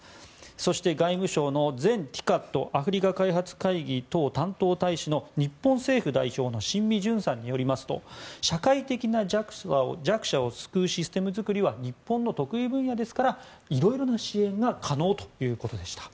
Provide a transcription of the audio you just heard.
そして、外務省の前ＴＩＣＡＤアフリカ担当大使日本政府代表の新美潤さんによりますと社会的な弱者を救うシステム作りは日本の得意分野ですからいろいろな支援が可能ということでした。